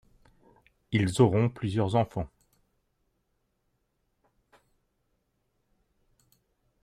Ils auront plusieurs enfants.